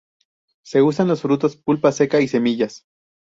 Se usan los frutos: pulpa seca y semillas.